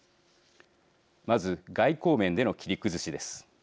まず外交面での切り崩しです。